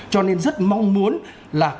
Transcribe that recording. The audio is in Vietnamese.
cho nên rất mong muốn là